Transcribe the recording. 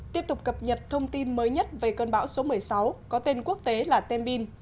tiếp tục cập nhật thông tin mới nhất về cơn bão số một mươi sáu có tên quốc tế là tem bin